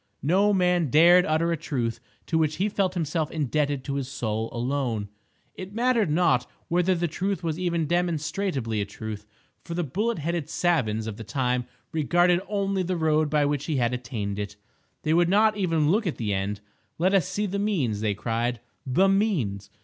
No man dared utter a truth to which he felt himself indebted to his Soul alone. It mattered not whether the truth was even demonstrably a truth, for the bullet headed savans of the time regarded only the road by which he had attained it. They would not even look at the end. "Let us see the means," they cried, "the means!"